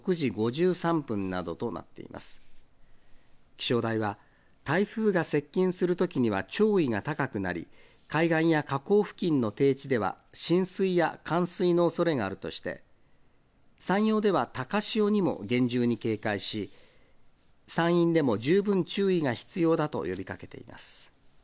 気象台は台風が接近するときには潮位が高くなり、海岸や河口付近の低地では浸水や冠水の恐れがあるとして、山陽では高潮にも厳重に警戒し、山陰でも十分注意が必要だと呼びかけています。